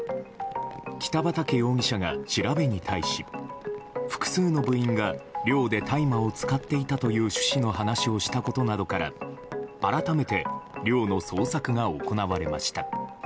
北畠容疑者が調べに対し複数の部員が寮で大麻を使っていたという趣旨の話をしたことなどから改めて、寮の捜索が行われました。